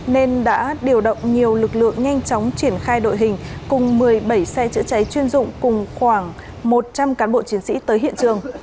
nên đã điều động nhiều lực lượng nhanh chóng triển khai đội hình cùng một mươi bảy xe chữa cháy chuyên dụng cùng khoảng một trăm linh cán bộ chiến sĩ tới hiện trường